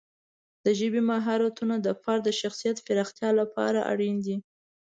د ژبې مهارتونه د فرد د شخصیت پراختیا لپاره اړین دي.